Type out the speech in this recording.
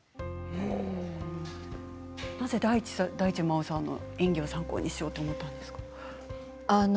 なぜ大地真央さんの演技を参考にしようと思ったんですか？